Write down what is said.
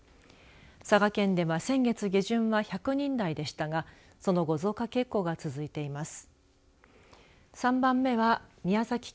佐賀県では先月下旬は１００人台でしたがその後増加傾向が続いています。